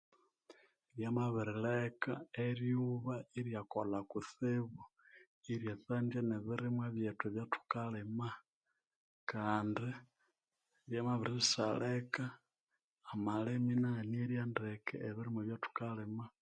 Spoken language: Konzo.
Bya mabirileka eryuba ilya kolha kutsibu irya tsandya nebirimwa byethu ebyathukalima kandi bya mabirisaleka amalima anaghanerya ndeke ebirimwa ebya thukalima